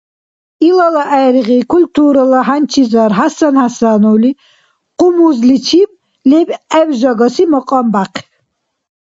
Илала гӀергъи культурала хӀянчизар ХӀясан ХӀясановли къумузличиб лебгӀеб жагаси макьам бяхъиб.